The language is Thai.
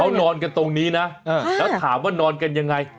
เขานอนกันตรงนี้นะแล้วถามว่านอนกันยังไง